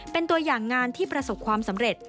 เป็นตัวอย่างงานที่ประสบความสำเร็จ